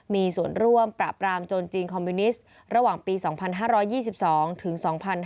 มีส่วนร่วมปราบรามโจรจีนคอมมิวนิสต์ระหว่างปี๒๕๒๒ถึง๒๕๕๙